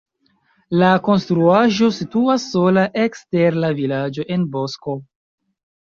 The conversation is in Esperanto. La konstruaĵo situas sola ekster la vilaĝo en bosko.